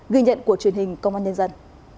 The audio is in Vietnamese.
ghi nhận của truyền hình công an nhân dân